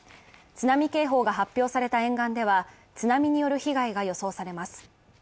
津波警報が発表された沿岸では、津波による被害が予想されます。